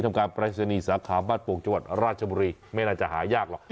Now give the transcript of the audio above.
ทางพรายศนียสภาวะบ้านปลวงจัวร์ราชบุรีไม่น่าจะหายากหรอก